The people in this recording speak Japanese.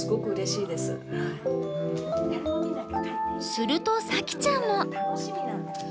すると早季ちゃんも。